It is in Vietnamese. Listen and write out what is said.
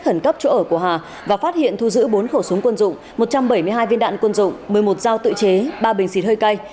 khẩn cấp chỗ ở của hà và phát hiện thu giữ bốn khẩu súng quân dụng một trăm bảy mươi hai viên đạn quân dụng một mươi một dao tự chế ba bình xịt hơi cay